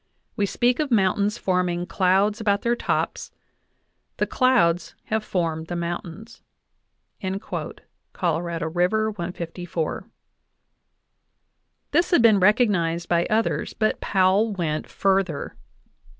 We speak of mountains forming clouds about their tops ; the clouds have formed the mountains'' ( Colorado River, 154). This had been recognized by others.__ but Powell went further.